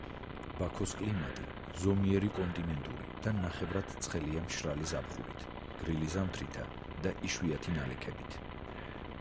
ბაქოს კლიმატი ზომიერი კონტინენტური და ნახევრად ცხელია მშრალი ზაფხულით, გრილი ზამთრითა და იშვიათი ნალექებით.